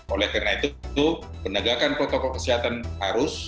oleh karena itu penegakan protokol kesehatan harus